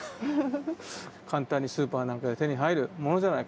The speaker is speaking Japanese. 簡単にスーパーなんかで手に入るものじゃないか